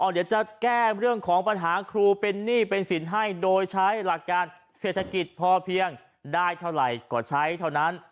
เดี๋ยวจะแก้เรื่องของปัญหาครูเป็นหนี้เป็นสินให้โดยใช้หลักการเศรษฐกิจพอเพียงได้เท่าไหร่ก็ใช้เท่านั้น